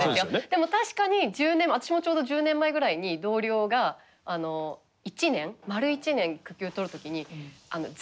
でも確かに私もちょうど１０年前ぐらいに同僚が１年丸１年育休取る時にざわめきました。